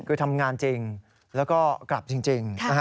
คือทำงานจริงแล้วก็กลับจริง